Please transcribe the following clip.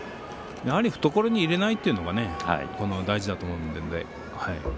やはり懐に入れないというのが大事だと思うので。